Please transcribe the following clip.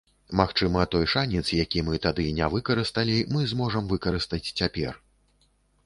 Магчыма, той шанец, які мы тады не выкарысталі, мы зможам выкарыстаць цяпер.